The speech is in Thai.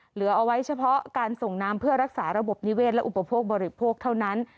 เหลือเอาไว้เฉพาะการส่งน้ำเพื่อรักษาระบบนิเวศและอุปโภคบริโภคเท่านั้น